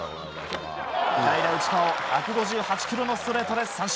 代打、内川を１５８キロのストレートで三振。